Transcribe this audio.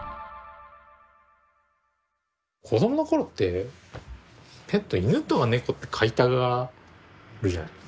子供の頃ってペット犬とか猫って飼いたがるじゃないですか。